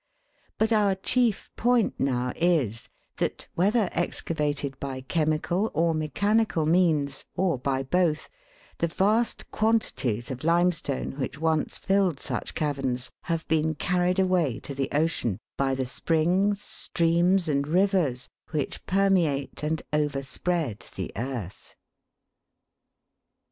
But our chief point now is, that, whether excavated by chemical or mechanical means, or by both, the vast quanti ties of limestone which once filled such caverns have been carried away to the ocean by the springs, streams, and rivers, which permeate and overspread the earth.